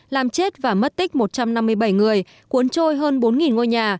làm chết và mất tích một trăm năm mươi bảy người cuốn trôi hơn bốn ngôi nhà